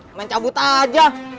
sama cabut aja